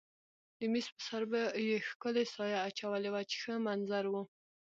د مېز پر سر به یې ښکلې سایه اچولې وه چې ښه منظر و.